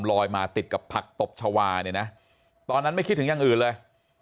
ลอยมาติดกับผักตบชาวาเนี่ยนะตอนนั้นไม่คิดถึงอย่างอื่นเลย